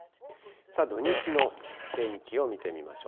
土日の天気を見てみましょう。